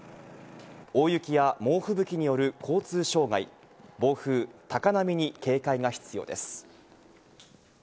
大雪や猛吹雪による交通障害、暴風、高波に警戒が必要です。